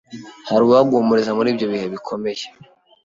hari uwaguhumuriza muri ibyo bihe bikomeye.